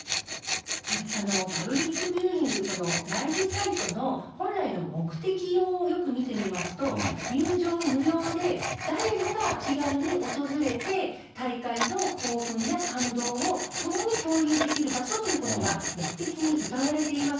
パブリックビューイング、このライブサイトの本来の目的をよく見てみますと、入場無料で、誰もが気軽に訪れて、大会の興奮や感動を共に共有できる場所ということが目的にうたわれています。